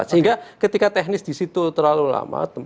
sehingga ketika teknis disitu terlalu lama